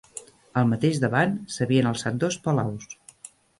Al mateix davant, s'havien alçat dos palaus